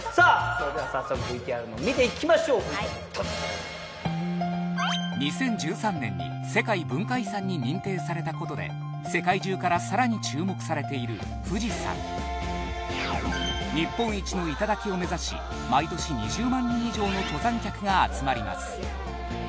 それでは早速ＶＴＲの方見ていきましょうＶＴＲどうぞ２０１３年に世界文化遺産に認定されたことで世界中からさらに注目されている富士山日本一の頂を目指し毎年２０万人以上の登山客が集まります